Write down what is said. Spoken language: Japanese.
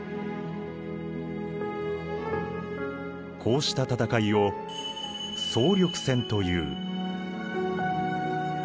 こうした戦いを総力戦という。